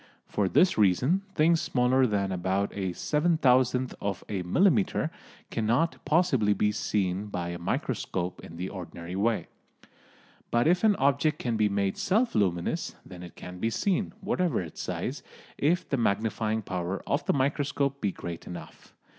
For this reason things smaller than about a seven thousandth of a millimetre cannot possibly be seen by a microscope in the ordinary way. But if an object can be made self luminous, then it can be seen, whatever its size, if the magnifying power of the microscope be great enough.